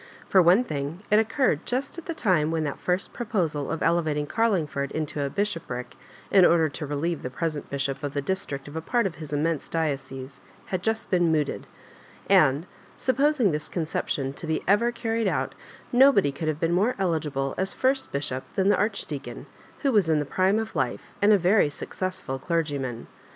For one thing, it oocarred just at the time when that first proposal of elevating Oarlingford into a bishoprio, in order to relieve the present bishop of the district of a part of his immense diocese^ had Just been mooted ; and supposing this oon ceptioa to be ever carried out, nobody oould have been more eligible as first bishop than the Archdeacon, who was in the prime of life, and a very successful clergyman.